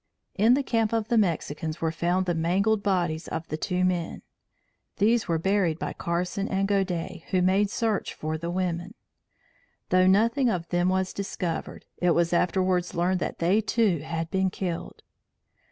In the camp of the Mexicans were found the mangled bodies of the two men. These were buried by Carson and Godey who made search for the women. Though nothing of them was discovered, it was afterwards learned that they, too, had been killed.